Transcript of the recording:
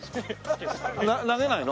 投げないの？